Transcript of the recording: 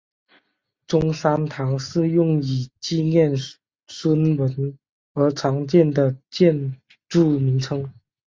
中山堂是用以纪念孙文而常见的建筑名称。